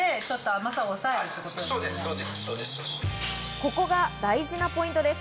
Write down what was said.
ここが大事なポイントです。